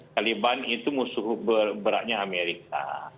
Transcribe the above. taliban itu musuh beratnya amerika